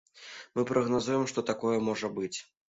Мы прагназуем, што такое можа быць.